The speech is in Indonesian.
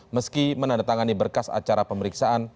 meski menandatangani berkas acara pemeriksaan